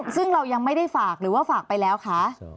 ซึ่งเรายังไม่ได้ฝากหรือว่าฝากไปแล้วคะ